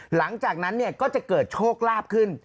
หลังจากนั้นก็จะเกิดโชคลาภขึ้น